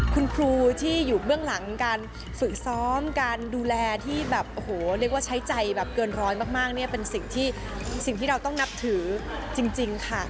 คุณครูที่อยู่เบื้องหลังการฝึกซ้อมการดูแลที่แบบโอ้โหเรียกว่าใช้ใจแบบเกินร้อยมากเนี่ยเป็นสิ่งที่สิ่งที่เราต้องนับถือจริงค่ะ